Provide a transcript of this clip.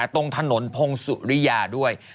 ตรงถนนพงศุริยาด้วย